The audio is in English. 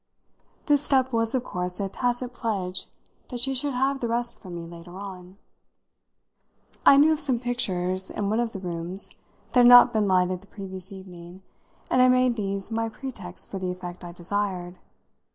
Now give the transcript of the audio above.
This step was of course a tacit pledge that she should have the rest from me later on. I knew of some pictures in one of the rooms that had not been lighted the previous evening, and I made these my pretext for the effect I desired.